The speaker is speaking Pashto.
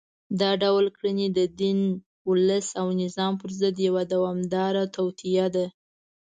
دا ډول کړنې د دین، ولس او نظام پر ضد یوه دوامداره توطیه ده